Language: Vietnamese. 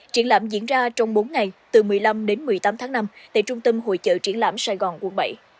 triển lãm diễn ra trong bốn ngày từ một mươi năm đến một mươi tám tháng năm tại trung tâm hội trợ triển lãm sài gòn quận bảy